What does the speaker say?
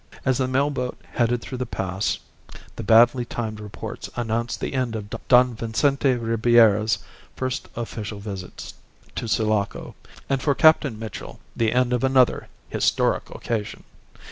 As the mail boat headed through the pass, the badly timed reports announced the end of Don Vincente Ribiera's first official visit to Sulaco, and for Captain Mitchell the end of another "historic occasion."